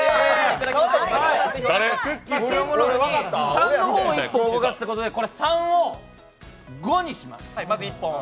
３の方を１本動かすということで、３を５にします。